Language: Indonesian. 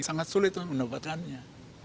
sangat sulit untuk mendapatkannya